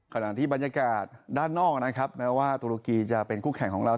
ขณะที่บรรยากาศด้านนอกนะครับแม้ว่าตุรกีจะเป็นคู่แข่งของเรา